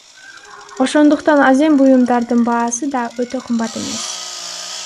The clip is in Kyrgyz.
Ошондуктан азем буюмдардын баасы да өтө кымбат эмес.